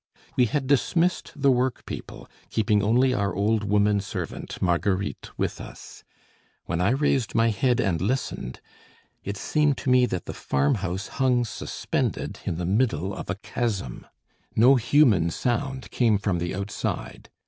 We had dismissed the workpeople, keeping only our old woman servant, Marguerite, with us. When I raised my head and listened, it seemed to me that the farmhouse hung suspended in the middle of a chasm. No human sound came from the outside.